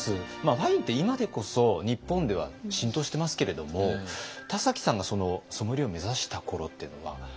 ワインって今でこそ日本では浸透してますけれども田崎さんがソムリエを目指した頃っていうのは。